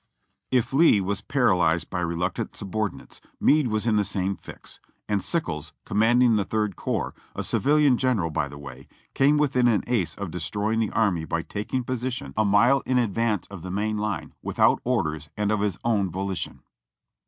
If Lee was paralyzed by reluctant subordinates. Meade was in the same fix;: and Sickles, commanding the Third Corps, a civil ian genera], by the way, came within an ace of destroying the army by taking ]:)osition a mile in advance of the main line with GETTYSBURG 4O3 out orders and of his own volition.